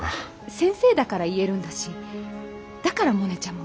先生だから言えるんだしだからモネちゃんも動くんじゃない。